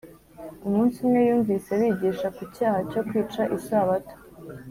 Umunsi umwe yumvise bigisha ku cyaha cyo kwica isabato